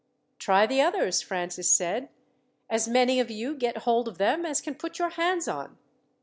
"Try the others," Francis said. "As many of you get hold of them as can put your hands on."